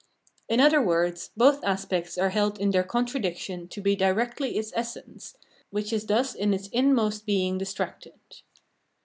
In other words, both aspects are held in their contradiction to be directly its essence, which is thus in its inmost being distracted.